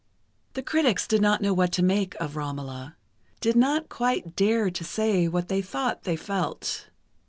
The critics did not know what to make of "Romola"—did not quite dare to say what they thought they felt.